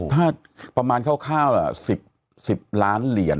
ถ้าประมาณค่องข้าง๑๐ล้านเหรียญ